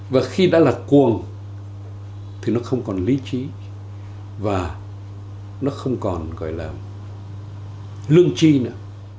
và khi đã là cuồng thì nó không còn lý trí và nó không còn gọi là lương chi nữa